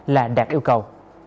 là đạt yêu cầu